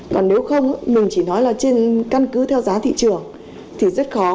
còn nếu không mình chỉ nói là trên căn cứ theo giá thị trường thì rất khó